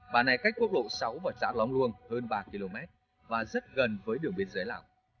bản này cách quốc lộ sáu và xã lóng luông hơn ba km và rất gần với đường biên giới lào